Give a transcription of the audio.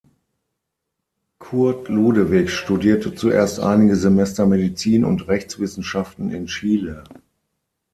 Kurt Ludewig studierte zuerst einige Semester Medizin und Rechtswissenschaften in Chile.